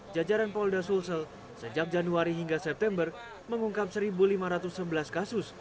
jajaran polda sulsel sejak januari hingga september mengungkap satu lima ratus sebelas kasus